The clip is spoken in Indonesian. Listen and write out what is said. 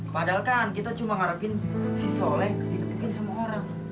padahal kami hanya berharap soleh dihukum oleh orang